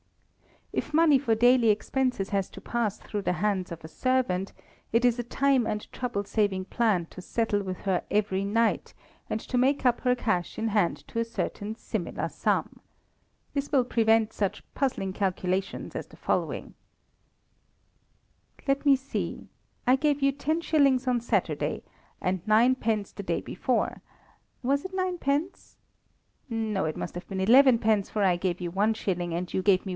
If Money for daily expenses has to pass through the hands of a servant, it is a time and trouble saving plan to settle with her every night, and to make up her cash in hand to a certain similar sum. This will prevent such puzzling calculations as the following: "Let me see: I gave you 10s. on Saturday, and 9d. the day before. Was it 9d.? No, it must have been 11d., for I gave you 1s., and you gave me 1d.